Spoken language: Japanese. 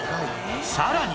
さらに